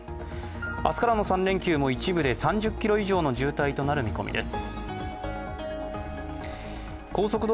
明日からの３連休も一部で３０ｋｍ以上の渋滞となる見込みです。